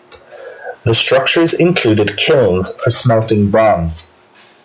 The structures included kilns for smelting bronze.